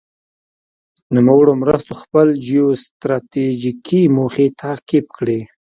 نوموړو مرستو خپل جیو ستراتیجیکې موخې تعقیب کړې.